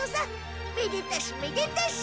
めでたしめでたし。